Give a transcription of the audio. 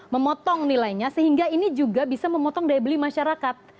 memotong nilainya sehingga ini juga bisa memotong daya beli masyarakat